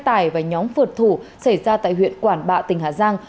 xe tải và nhóm phượt thủ xảy ra tại huyện quảng bạ tỉnh hà giang